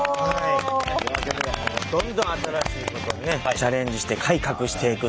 どんどん新しいことにねチャレンジして改革していくという。